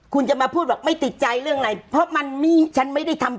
คุณจะมาพูดบอกไม่ติดใจเรื่องอะไรเพราะมันนี่ฉันไม่ได้ทำ